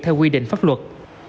theo quy định pháp luật